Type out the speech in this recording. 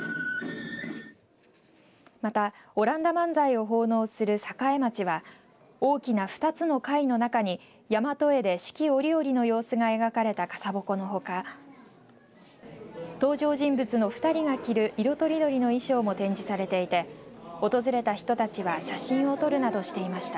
また、阿蘭陀万歳を奉納する栄町は大きな２つの貝の中に大和絵で四季折々の様子が描かれた傘鉾のほか登場人物の２人が着る色とりどりの衣装も展示されていて訪れた人たちは写真を撮るなどしていました。